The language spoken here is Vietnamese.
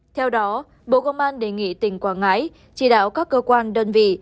theo đó bộ công an đề nghị tỉnh quảng ngãi chỉ đạo các cơ quan đơn vị